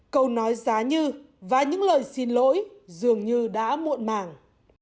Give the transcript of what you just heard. câu nói giá như và những lời xin lỗi dường như đã muộn màng